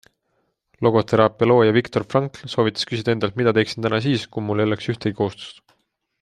Logoteraapia looja Viktor Frankl soovitas küsida endalt, mida teeksin täna siis, kui mul ei oleks ühtegi kohustust.